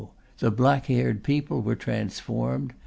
the black haired people were transformed.